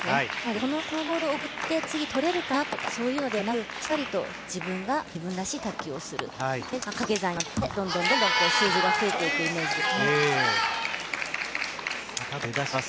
このボールを送って次とれるかな、といういうのではなくしっかりと自分が自分らしい卓球をする、それが掛け算になって、どんどんどんどん、こう数字が増えていくイメージです。